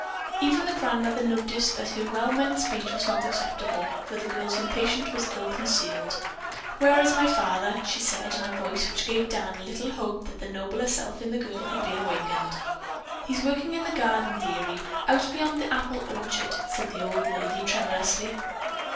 Even the grandmother noticed that her well meant speech was not acceptable, for the girl's impatience was ill concealed. "Where is my father?" she said in a voice which gave Dan little hope that the nobler self in the girl had been awakened. "He's working in the garden, dearie; out beyond the apple orchard," the old lady said tremulously.